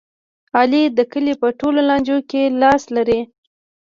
علي د کلي په ټول لانجو کې لاس لري.